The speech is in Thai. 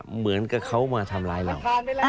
เหมือนกับเขามาทำร้ายเรา